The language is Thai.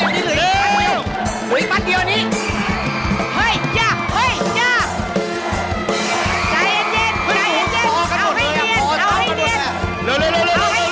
ใจเย็นใจเย็นเอาให้เนียนเอาให้เนียน